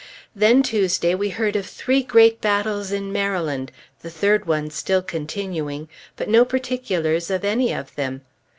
Then Tuesday we heard of three great battles in Maryland, the third one still continuing; but no particulars of any of them.